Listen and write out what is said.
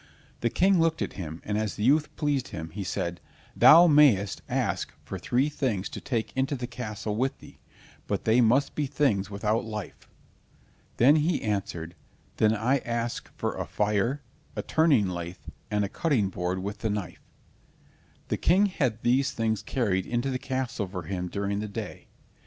The King looked at him, and as the youth pleased him, he said: "Thou mayst ask for three things to take into the castle with thee, but they must be things without life." Then he answered, "Then I ask for a fire, a turning lathe, and a cutting board with the knife." The King had these things carried into the castle for him during the day.